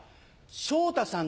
昇太さん